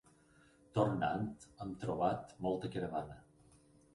Tornant, hem trobat molta caravana.